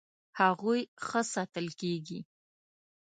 هغوی ښه ساتل کیږي.